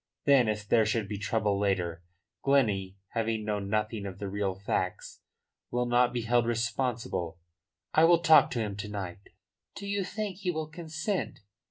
Then if there should be trouble later, Glennie, having known nothing of the real facts, will not be held responsible. I will talk to him to night." "Do you think he will consent?"